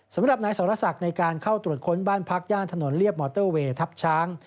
สำหรับนายสรศักดิ์ในการเข้าตรวจค้นบ้านพักย่านถนนเรียบมอเตอร์เวย์ทัพช้าง